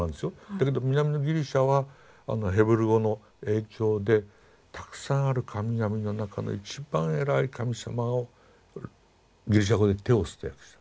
だけど南のギリシャはヘブル語の影響でたくさんある神々の中の一番偉い神様をギリシャ語でテオスと訳したの。